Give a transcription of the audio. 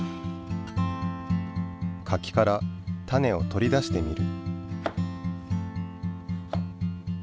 柿から種を取り出してみる。